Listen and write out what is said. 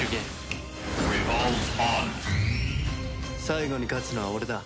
最後に勝つのは俺だ。